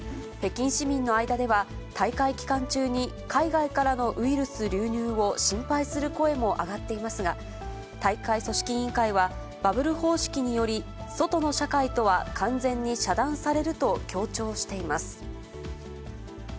北京市民の間では、大会期間中に海外からのウイルス流入を心配する声も上がっていますが、大会組織委員会は、バブル方式により、外の社会とは完全に遮断されると強調しています。